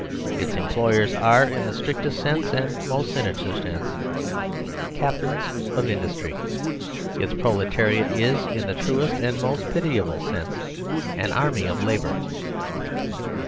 Its employers are, in the strictest and most sinister sense, captains of industry. Its proletariat is, in the truest and most pitiable sense, an army of labour.